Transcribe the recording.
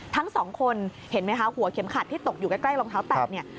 ทั้งสองคนเห็นไหมคะหัวเข็มขัดที่ตกอยู่ใกล้รองเท้าแตะเนี่ย